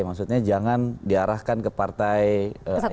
maksudnya jangan diarahkan ke partai ayahnya gitu